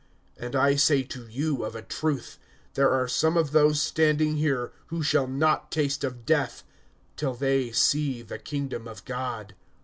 (27)And I say to you of a truth, there are some of those standing here, who shall not taste of death, till they see the kingdom of God.